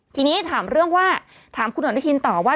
ทีนี้ถามเรื่องว่าถามคุณอนุทินต่อว่า